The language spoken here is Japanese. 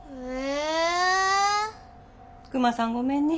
クマさんごめんね。